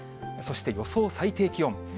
そして予想最低気温。